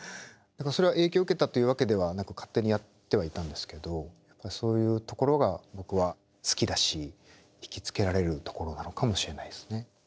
それは影響を受けたというわけではなく勝手にやってはいたんですけどそういうところが僕は好きだし引き付けられるところなのかもしれないですね。